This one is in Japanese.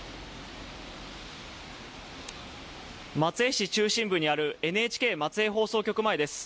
松江市中心部にあるＮＨＫ松江放送局前です。